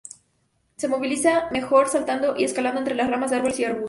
Se movilizan mejor saltando y escalando entre las ramas de árboles y arbustos.